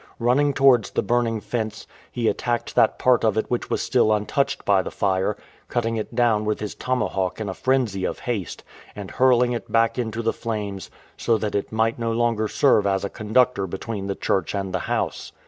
Run ning towards the burning fence, he attacked that part of it which was still untouched by the fire, cutting it down with his tomahawk in a frenzy of haste, and hurling it back into the flames so that it might no longer serve as a conductor between the church and the house.